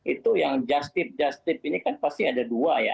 itu yang justif justif ini kan pasti ada dua ya